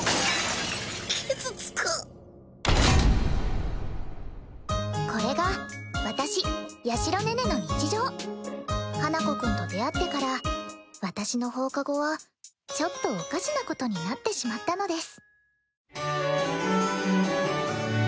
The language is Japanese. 傷つくこれが私八尋寧々の日常花子くんと出会ってから私の放課後はちょっとおかしなことになってしまったのです